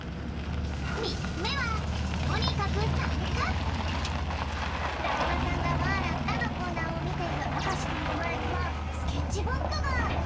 みっつめは「だるまさんがわらった」のコーナーをみているあかしくんのまえにはスケッチブックが！